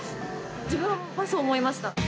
自分はそう思いました。